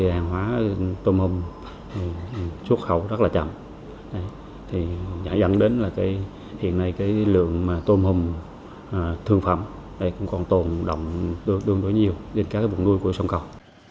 hàng hóa tôm hùm xuất khẩu rất là chậm nhảy dẫn đến hiện nay lượng tôm hùm thương phẩm còn tồn đồng đương đối nhiều trên các vùng nuôi của sông cầu